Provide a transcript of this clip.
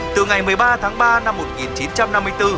từ ngày một mươi ba tháng ba năm một nghìn chín trăm năm mươi bốn